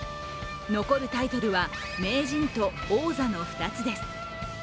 残るタイトルは名人と王座の２つです。